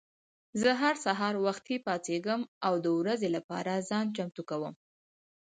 زه هر سهار وختي پاڅېږم او د ورځې لپاره ځان چمتو کوم.